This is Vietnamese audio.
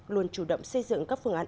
luôn chủ động xây dựng các phương án